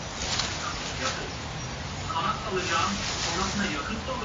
Totalîtarîzm, yekbûna bêyom a dîn û dewletê ye.